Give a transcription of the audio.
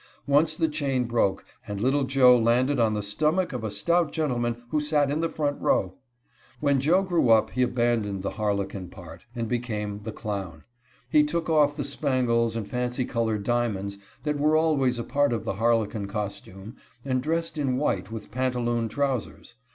Once the chain broke, and little Joe landed on the stomach of a stout gentleman who sat in the front row. When Joe grew up he abandoned the Harlequin part, and became the clown. He took off the spangles and fancy colored diamonds that were always a part of the Harlequin costume, and dressed in white with pantaloon trousers.